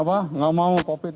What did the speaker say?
enggak mau covid